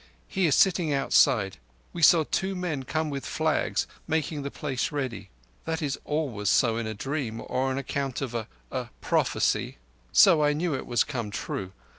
He is sitting outside. We saw two men come with flags, making the place ready. That is always so in a dream, or on account of a—a—prophecy. So I knew it was come true.